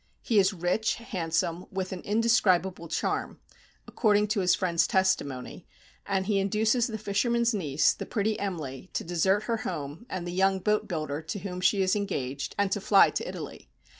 He is rich, handsome, with an indescribable charm, according to his friends' testimony, and he induces the fisherman's niece, the pretty Em'ly, to desert her home, and the young boat builder to whom she is engaged, and to fly to Italy.